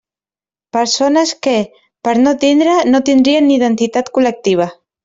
Persones que, per no tindre no tindrien ni identitat col·lectiva.